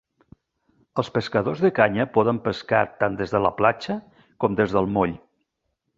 Els pescadors de canya poden pescar tant des de la platja com des del moll.